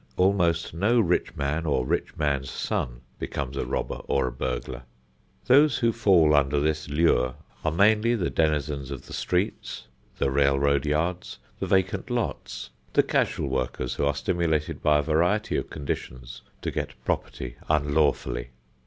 Almost no rich man or rich man's son becomes a robber or a burglar. Those who fall under this lure are mainly the denizens of the streets, the railroad yards, the vacant lots, the casual workers who are stimulated by a variety of conditions to get property unlawfully.